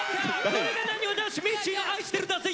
これがなにわ男子みっちーの「愛してる」だぜ！